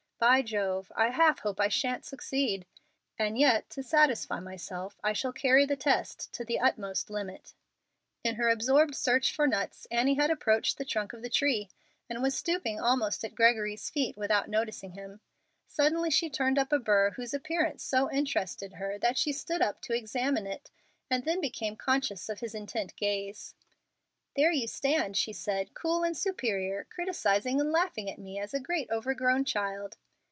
By Jove, I half hope I shan't succeed, and yet to satisfy myself I shall carry the test to the utmost limit." In her absorbed search for nuts, Annie had approached the trunk of the tree, and was stooping almost at Gregory's feet without noticing him. Suddenly she turned up a burr whose appearance so interested her that she stood up to examine it, and then became conscious of his intent gaze. "There you stand," she said, "cool and superior, criticising and laughing at me as a great overgrown child."